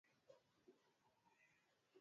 i saa kumi na mbili kamili kwa saa za afrika